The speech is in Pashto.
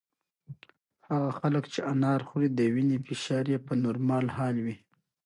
هغه خلک چې انار خوري د وینې فشار یې په نورمال حال وي.